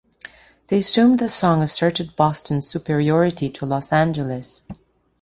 They assumed the song asserted Boston's superiority to Los Angeles.